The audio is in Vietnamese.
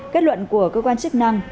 kết luận của cơ quan chức năng